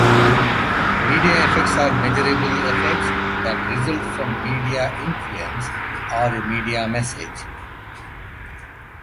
Media effects are measurable effects that result from media influence, or a media message.